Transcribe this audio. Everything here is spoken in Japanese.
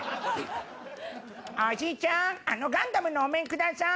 おじちゃんあのガンダムのお面ください。